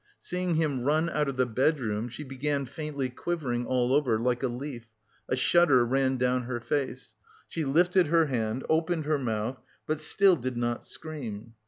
Seeing him run out of the bedroom, she began faintly quivering all over, like a leaf, a shudder ran down her face; she lifted her hand, opened her mouth, but still did not scream.